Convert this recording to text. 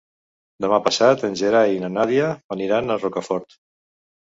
Demà passat en Gerai i na Nàdia aniran a Rocafort.